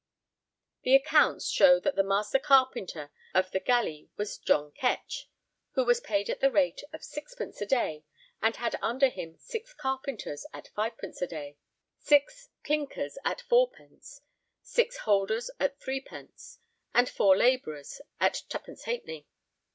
The accounts show that the master carpenter (magister carpentariorum) of the galley was John Kech, who was paid at the rate of sixpence a day and had under him six carpenters at fivepence a day, six 'clynckers' at fourpence, six holders at threepence, and four labourers (servientes) at twopence halfpenny.